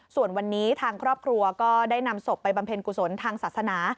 ส่วนวันนี้ทางครอบครัวก็ได้นำศพไปบำเพ็ญกุศลทางศาสนา